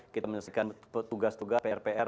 kita menyaksikan tugas tugas pr pr